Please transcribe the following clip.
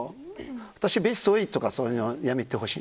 ただベスト８とかそういうのはやめてほしい。